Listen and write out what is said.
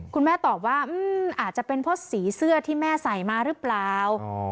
คุณแม่ตอบว่าอาจจะเป็นเพราะสีเสื้อที่แม่ใส่มาหรือเปล่า